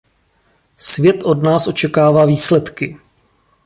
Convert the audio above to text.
Svět od nás očekává výsledky.